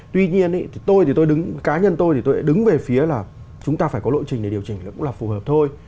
tuy nhiên tôi thì tôi đứng cá nhân tôi thì tôi lại đứng về phía là chúng ta phải có lộ trình để điều chỉnh nó cũng là phù hợp thôi